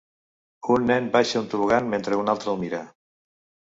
Un nen baixa un tobogan mentre un altre el mira.